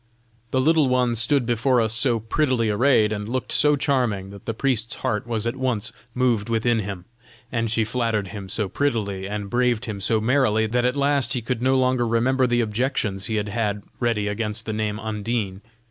The little one stood before us so prettily arrayed and looked so charming that the priest's heart was at once moved within him, and she flattered him so prettily, and braved him so merrily, that at last he could no longer remember the objections he had had ready against the name of Undine.